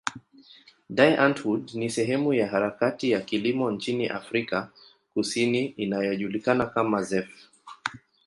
Die Antwoord ni sehemu ya harakati ya kilimo nchini Afrika Kusini inayojulikana kama zef.